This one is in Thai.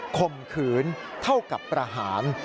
ข่มขืนเท่ากับประหาร